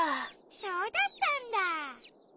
そうだったんだ！